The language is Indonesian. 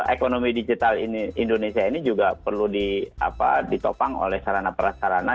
ekonomi digital indonesia ini juga perlu ditopang oleh sarana perasarana